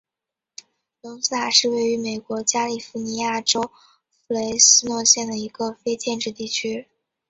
隆斯塔是位于美国加利福尼亚州弗雷斯诺县的一个非建制地区。